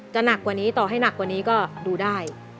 หนักกว่านี้ต่อให้หนักกว่านี้ก็ดูได้